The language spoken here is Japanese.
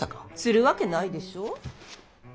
するわけないでしょう。